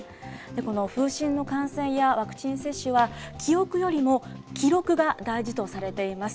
この風疹の感染やワクチン接種は、記憶よりも記録が大事とされています。